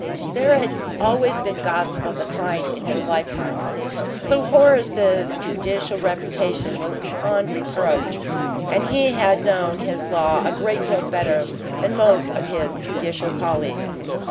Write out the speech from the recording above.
There had always been gossip of the kind in his life time. Sir Horace's judicial reputation was beyond reproach and he had known his law a great deal better than most of his judicial colleagues.